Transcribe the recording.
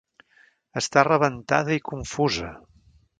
Està rebentada i confusa.